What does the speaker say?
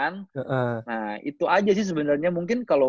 nah itu aja sih sebenernya mungkin